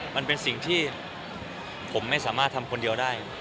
มันเป็นสิ่งที่ผมไม่สามารถทำคนเดียวได้